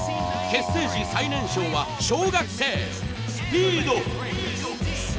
結成時最年少は小学生。